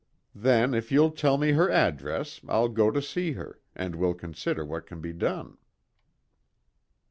"Then, if you'll tell me her address, I'll go to see her, and we'll consider what can be done."